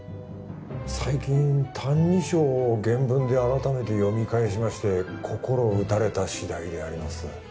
最近「歎異抄」を原文で改めて読み返しまして心打たれたしだいであります